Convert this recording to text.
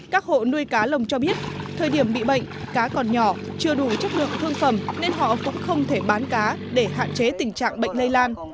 các hộ nuôi cá lồng cho biết thời điểm bị bệnh cá còn nhỏ chưa đủ chất lượng thương phẩm nên họ cũng không thể bán cá để hạn chế tình trạng bệnh lây lan